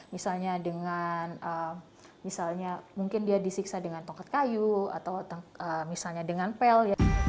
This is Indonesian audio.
misalnya dengan misalnya mungkin dia disiksa dengan tongkat kayu atau misalnya dengan pel